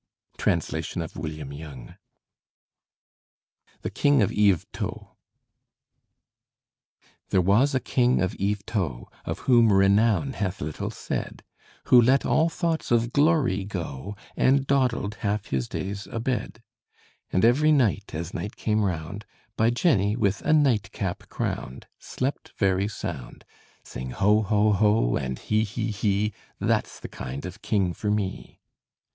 Translation of William Young. THE KING OF YVETOT There was a king of Yvetot, Of whom renown hath little said, Who let all thoughts of glory go, And dawdled half his days a bed; And every night, as night came round, By Jenny with a nightcap crowned, Slept very sound: Sing ho, ho, ho! and he, he, he! That's the kind of king for me.